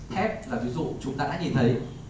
thép là ví dụ chúng ta đã nhìn thấy